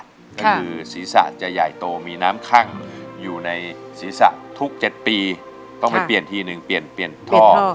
ก็คือศีรษะจะใหญ่โตมีน้ำคั่งอยู่ในศีรษะทุก๗ปีต้องไปเปลี่ยนทีหนึ่งเปลี่ยนเปลี่ยนท่อ